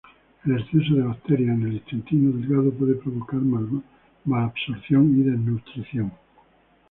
El exceso de bacterias en el intestino delgado puede provocar malabsorción y desnutrición.